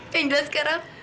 yang jelas sekarang